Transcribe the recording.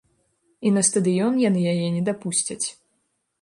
І на стадыён яны яе не дапусцяць.